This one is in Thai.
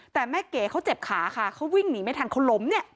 แต่แม่เก๋เขาเจ็บขาค่ะเขาวิ่งหนีไม่ทันเขาล้มเนี่ย